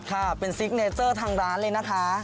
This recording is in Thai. ค่ะเป็นซิกเนเจอร์ทางร้านเลยนะคะ